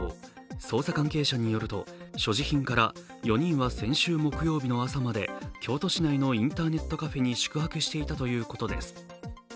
捜査関係者によると、所持品から４人は先週木曜日の朝まで京都市内のインターネットカフェに宿泊していたということです。